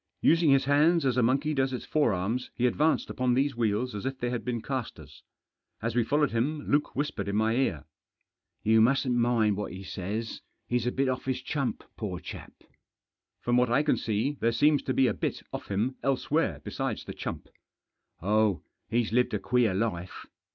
Using his hands as a monkey does its forearms, he advanced upon these wheels as if they had been castors. As we followed him Luke whispered in my ear :— Digitized by THE OFFERINGS OF THE FAITHFUL. 251 "You mustn't mind what he says; he's a bit off his chump, poor chap." " From what I can see there seems to be a bit off him elsewhere besides the chump." " Oh, he's lived a queer life.